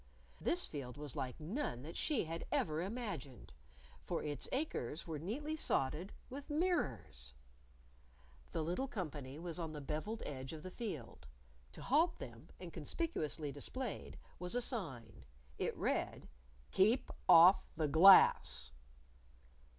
This field was like none that she had ever imagined. For its acres were neatly sodded with mirrors. The little company was on the beveled edge of the field. To halt them, and conspicuously displayed, was a sign. It read _Keep off The Glass.